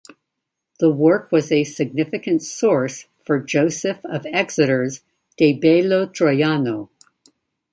The work was a significant source for Joseph of Exeter's "De bello Troiano".